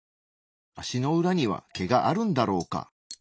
足の裏には毛があるんだろうか。